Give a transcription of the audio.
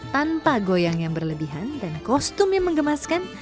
tanpa goyang yang berlebihan dan kostum yang mengemaskan